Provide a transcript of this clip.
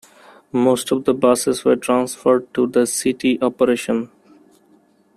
Most of the buses were transferred to the city operation.